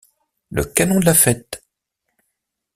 Le canon de la fête!...